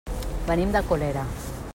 Venim de Colera.